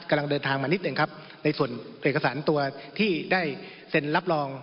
กำลังเดินทางมานิดหนึ่งครับในส่วนเอกสารตัวที่ได้เซ็นรับรอง